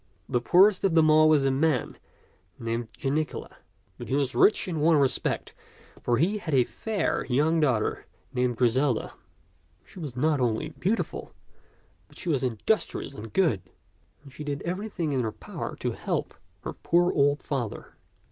The poorest of them all was a man named Jani cula ; but he was rich in one respect, for he had a fair young daughter named Griselda. She was not only beautiful, but she was industrious and good, and she did everything in her power to help her poor old father.